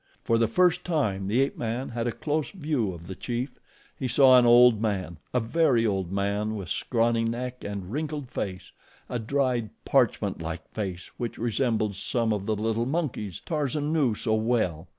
For the first time the ape man had a close view of the chief. He saw an old man, a very old man with scrawny neck and wrinkled face a dried, parchment like face which resembled some of the little monkeys Tarzan knew so well.